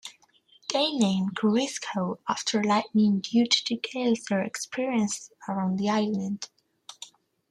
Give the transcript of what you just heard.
They named Corisco after 'lightning', due to the gales their experienced around the island.